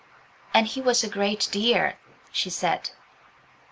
"And he was a great dear," she said.